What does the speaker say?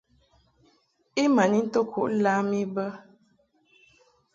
I ma n into kuʼ lam I bə.